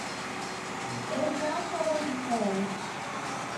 It is now seldom performed.